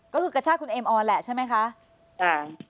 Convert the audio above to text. ก็คือกระชากคุณเอมออนแหละใช่ไหมคะ